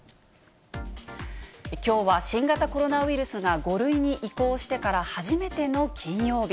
きょうは新型コロナウイルスが５類に移行してから初めての金曜日。